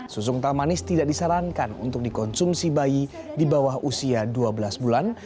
susu kental manis tidak disarankan untuk dikonsumsi bayi di bawah usia dua belas bulan